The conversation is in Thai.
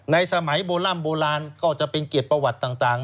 สมัยโบร่ำโบราณก็จะเป็นเกียรติประวัติต่าง